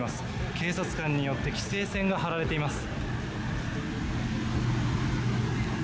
警察官によって規制線が張られています。